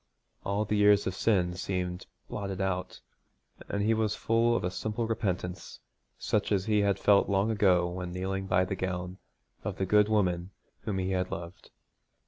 All the years of sin seemed blotted out, and he was full of a simple repentance such as he had felt long ago when kneeling by the gown of the good woman whom he had loved.